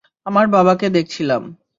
আমার বাবাকে দেখছিলাম।